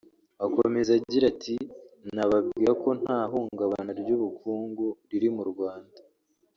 Akomeza agira ati “Nababwira ko nta hungabana ry’ubukungu riri mu Rwanda